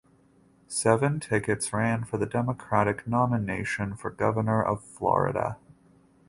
Seven tickets ran for the Democratic nomination for governor of Florida.